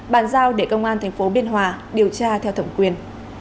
bàn giao để công an tp biên hòa điều tra theo thẩm quyền